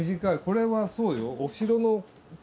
これはそうよ。